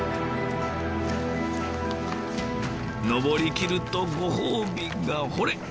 登りきるとご褒美がほれ！